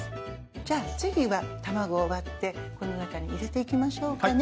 じゃあ次は卵を割ってこの中に入れていきましょうかね